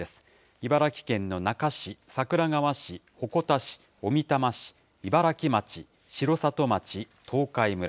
茨城県の那珂市、桜川市、鉾田市、小美玉市、茨城町、城里町、東海村。